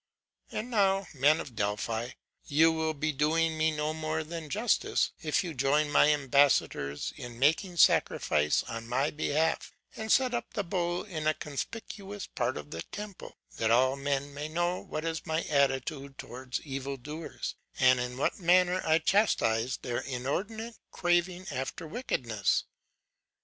'And now, men of Delphi, you will be doing me no more than justice, if you join my ambassadors in making sacrifice on my behalf, and set up the bull in a conspicuous part of the temple; that all men may know what is my attitude towards evil doers, and in what manner I chastise their inordinate craving after wickedness.